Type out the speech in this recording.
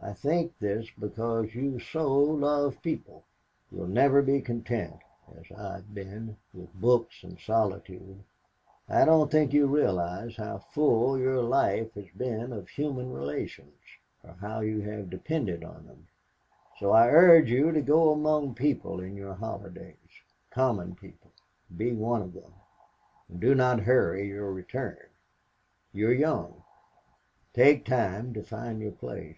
I think this because you so love people. You'll never be content, as I have been, with books and solitude. I don't think you realize how full your life has been of human relations, or how you have depended on them, so I urge you to go among people in your holidays, common people, to be one of them; and do not hurry your return. You are young. Take time to find your place."